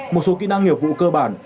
một số kỹ năng nghiệp vụ cơ bản